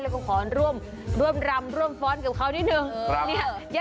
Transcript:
แล้วก็ขอร่วมรำร่วมฟ้อนกับเขานิดนึง